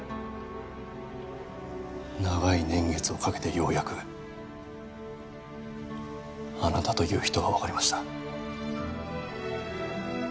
長い年月をかけてようやくあなたという人がわかりました。